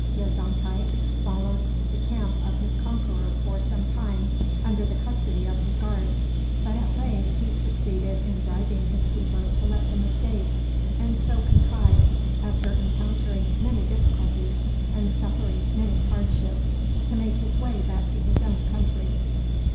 Yezonkai followed the camp of his conqueror for some time under the custody of his guard; but at length he succeeded in bribing his keeper to let him escape, and so contrived, after encountering many difficulties and suffering many hardships, to make his way back to his own country.